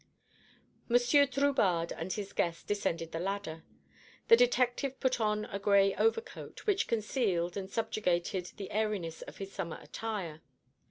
Monsieur Drubarde and his guest descended the ladder. The detective put on a gray overcoat, which concealed and subjugated the airiness of his summer attire.